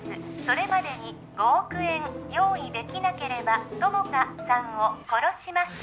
それまでに５億円用意できなければ友果さんを殺します